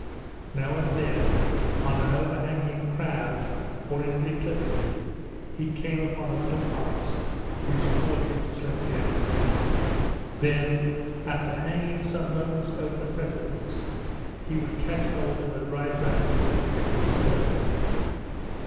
Now and then on an overhanging crag or in a declivity he came upon a little ice, which caused him to slip down. Then, after hanging some moments over the precipice, he would catch hold of a dry branch or projecting stone.